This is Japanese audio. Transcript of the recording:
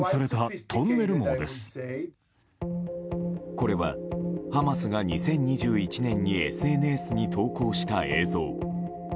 これは、ハマスが２０２１年にＳＮＳに投稿した映像。